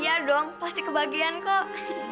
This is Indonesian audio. iya dong pasti kebagian kok